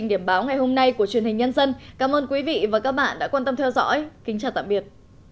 hẹn gặp lại các bạn trong những video tiếp theo